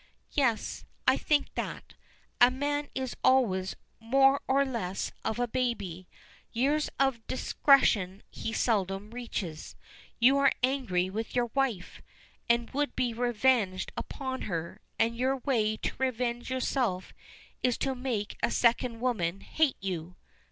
"Yes. I think that. A man is always more or less of a baby. Years of discretion he seldom reaches. You are angry with your wife, and would be revenged upon her, and your way to revenge yourself is to make a second woman hate you."